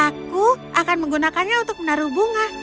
aku akan menggunakannya untuk menaruh bunga